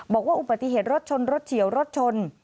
บอกว่าอุบัติเหตุรถชนรถเฉียวรถชน